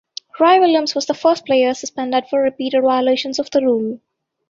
Roy Williams was the first player suspended for repeated violations of the rule.